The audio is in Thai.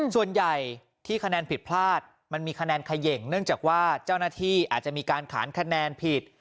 ส่วนใหญ่ที่คะแนนผิดพลาดมันมีคะแนนเขย่งเนื่องจากว่าเจ้าหน้าที่อาจจะมีการขานคะแนนผิด